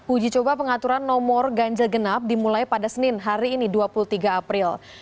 uji coba pengaturan nomor ganjil genap dimulai pada senin hari ini dua puluh tiga april